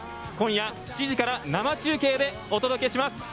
今夜７時から生中継でお届けします。